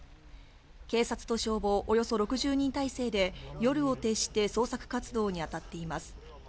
警察と消防およそ６０人態勢で、夜を徹して捜索活動に当たっています。